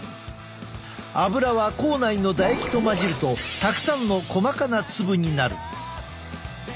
アブラは口内の唾液と混じるとたくさんの細かな粒になる。